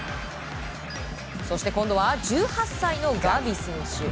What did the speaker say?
今度は１８歳のガビ選手。